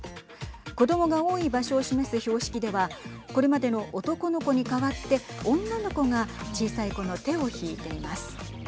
子どもが多い場所を示す標識ではこれまでの男の子に代わって女の子が小さい子の手を引いています。